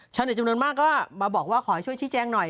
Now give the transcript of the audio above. จำนวนมากก็มาบอกว่าขอให้ช่วยชี้แจงหน่อย